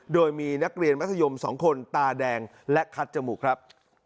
โดยมีนักเรียนมัธยม๒คนตาแดงและคัดจมูกครับ